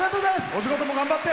お仕事も頑張って。